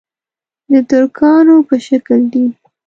د ترکانو په شکل دي.